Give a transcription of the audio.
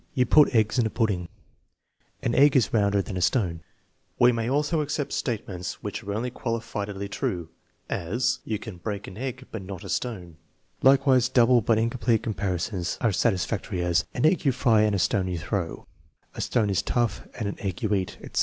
"You put eggs in a pudding." "An egg is rounder than a stone." We may also accept statements which are only qualifiedly true; as, "You can break an egg, but not a stone." Likewise double but incomplete TEST NO. VII, 5 201 comparisons are satisfactory; as, "An egg you fry and a stone you throw," "A stone is tough and an egg you eat," etc.